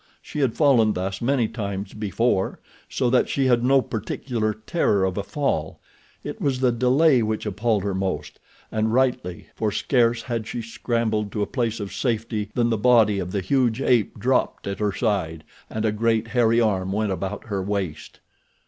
She had fallen thus many times before, so that she had no particular terror of a fall—it was the delay which appalled her most, and rightly, for scarce had she scrambled to a place of safety than the body of the huge ape dropped at her side and a great, hairy arm went about her waist.